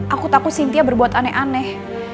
aku takut cynthia berbuat aneh aneh